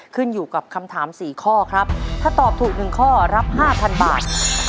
ขึ้นอยู่กับคำถามสี่ข้อครับถ้าตอบถูกหนึ่งข้อรับห้าพันบาท